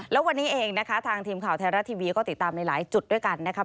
แล้ววันนี้เองนะคะทางทีมข่าวไทยรัฐทีวีก็ติดตามในหลายจุดด้วยกันนะครับ